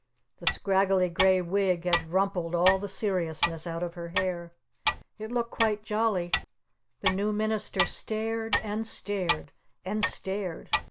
The scraggly gray wig had rumpled all the seriousness out of her hair. It looked quite jolly. The New Minister stared! And stared! And stared!